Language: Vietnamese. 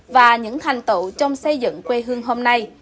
và những thành tựu trong xây dựng quê hương hôm nay